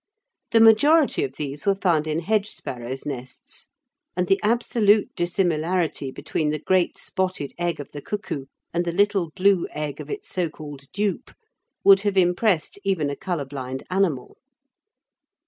The majority of these were found in hedgesparrows' nests, and the absolute dissimilarity between the great spotted egg of the cuckoo and the little blue egg of its so called dupe would have impressed even a colour blind animal.